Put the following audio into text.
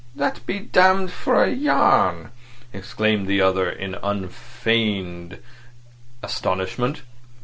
"That be damned for a yarn," exclaimed the other in unfeigned astonishment.